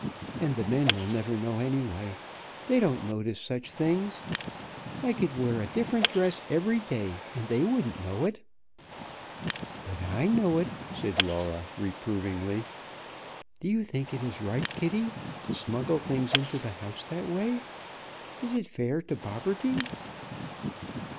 And the men will never know, anyway. They don't notice such things. I could wear a different dress every day, and they wouldn't know it." "But I know it," said Laura, reprovingly. "Do you think it is right, Kitty, to smuggle things into the house that way? Is it fair to Bobberty?"